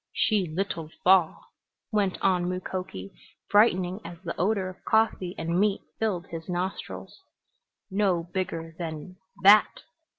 "She little fall," went on Mukoki, brightening as the odor of coffee and meat filled his nostrils. "No bigger than that!"